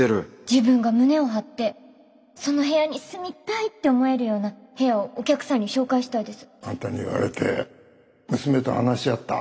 自分が胸を張ってその部屋に住みたいって思えるような部屋をお客さんに紹介したいですあんたに言われて娘と話し合った。